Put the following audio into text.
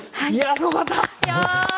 すごかった！